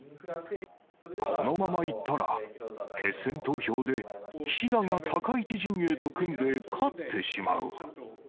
このままいったら、決選投票で岸田が高市陣営と組んで勝ってしまう。